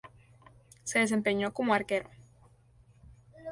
Se desempeñó como arquero.